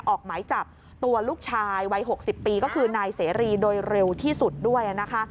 ออกหมายจับตัวลูกชายวัย๖๐ปีก็คือนายเสรีโดยเร็วที่สุดด้วยนะคะ